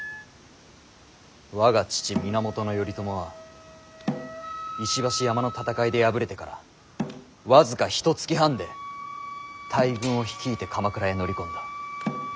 我が父源頼朝は石橋山の戦いで敗れてから僅かひとつき半で大軍を率いて鎌倉へ乗り込んだ。